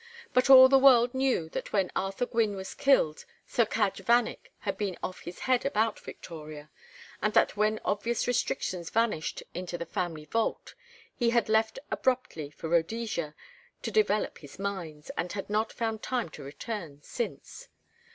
But all the world knew that when Arthur Gwynne was killed Sir Cadge Vanneck had been off his head about Victoria; and that when obvious restrictions vanished into the family vault he had left abruptly for Rhodesia to develop his mines, and had not found time to return since.